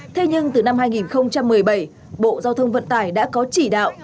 thế nhưng từ năm hai nghìn một mươi bảy bộ giao thông vận tải đã có chỉ đạo